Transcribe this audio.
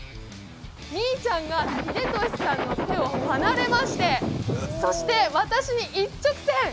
みーちゃんが秀敏さんの手を離れましてそして私に一直線。